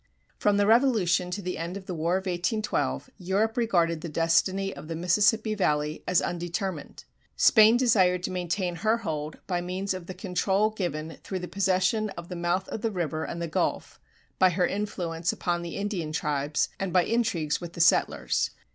From the Revolution to the end of the War of 1812 Europe regarded the destiny of the Mississippi Valley as undetermined. Spain desired to maintain her hold by means of the control given through the possession of the mouth of the river and the Gulf, by her influence upon the Indian tribes, and by intrigues with the settlers.